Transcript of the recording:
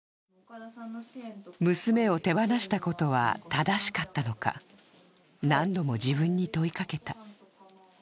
娘を手放したことは正しかったのか、何度も自分に問いかけた。